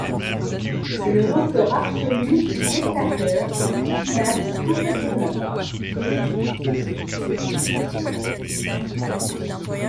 C'est le record absolu de spectateur pour une finale de Coupe d'Irlande.